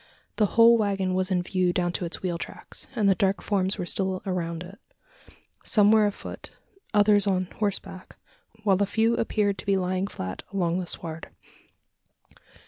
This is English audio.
The whole waggon was in view down to its wheel tracks; and the dark forms were still around it. Some were afoot, others on horseback while a few appeared to be lying flat along the sward.